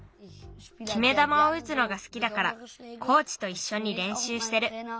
きめだまをうつのが好きだからコーチといっしょにれんしゅうしてる。